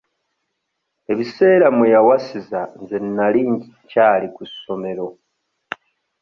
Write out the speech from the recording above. Ebiseera mmwe yawasiza nze nali nkyali ku ssomero.